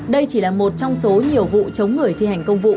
đây chỉ là một trong số nhiều vụ chống người thi hành công vụ